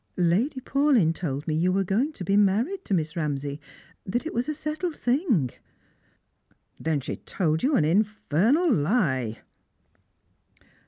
" Lady Paulyn told me that you were going to be married to Mi?s Kamsay; that it was a settled thing." " Then she told you an infernal lie."